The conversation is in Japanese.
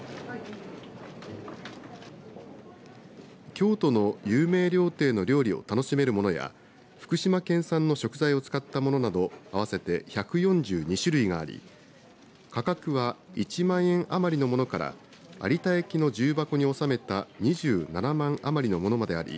京都の有名料亭の料理を楽しめるものや福島県産の食材を使ったものなど合わせて１４２種類があり価格は１万円余りのものから有田焼の重箱に収めた２７万余りのものまであり